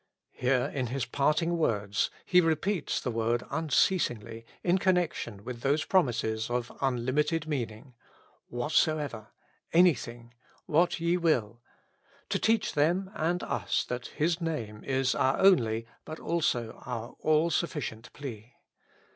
Here in His parting words, He repeats the word unceasingly in connection with those promises of unlimited meaning, " Whatsoever.'''' ''Anything,''' " What ye zuill,^' to teach them and us that His Name is our only, but also our all sufficient plea.